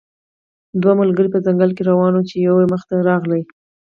دوه ملګري په ځنګل کې روان وو چې یو یږه مخې ته راغله.